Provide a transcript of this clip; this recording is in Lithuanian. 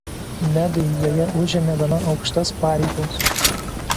Medai joje užėmė gana aukštas pareigas.